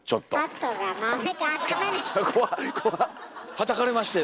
はたかれましたよ